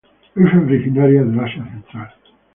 Es originario del Asia central.